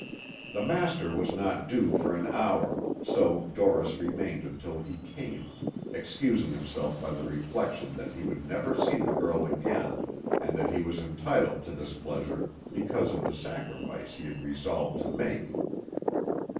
The master was not due for an hour, so Dorris remained until he came, excusing himself by the reflection that he would never see the girl again, and that he was entitled to this pleasure because of the sacrifice he had resolved to make.